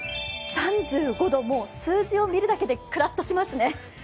３５度、数字を見るだけでくらっとしますね。